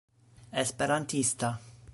esperantista